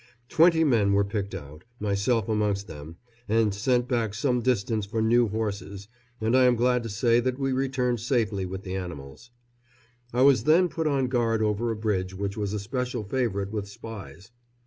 Twenty men were picked out, myself amongst them, and sent back some distance for new horses, and I am glad to say that we returned safely with the animals. I was then put on guard over a bridge which was a special favourite with spies.